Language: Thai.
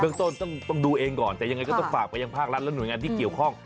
ต้นต้องดูเองก่อนแต่ยังไงก็ต้องฝากไปยังภาครัฐและหน่วยงานที่เกี่ยวข้อง